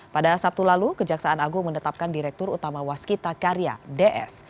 pada sabtu lalu kejaksaan agung menetapkan direktur utama waskita karya ds